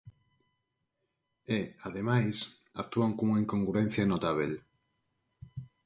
E, ademais, actúan cunha incongruencia notábel.